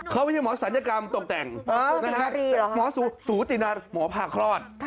เขาไม่ใช่หมอศัลยกรรมตกแต่งหมอสูตินาหมอพาคลอด